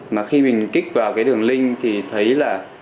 mà khi mình kích vào cái đường link thì thấy là